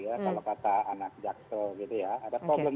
kalau kata anak jakso ada problem